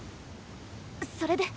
それで？